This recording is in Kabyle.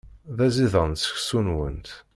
D aẓidan seksu-nwent.